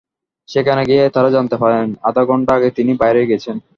সেখানে গিয়ে তাঁরা জানতে পারেন, আধা ঘণ্টা আগে তিনি বাইরে গেছেন।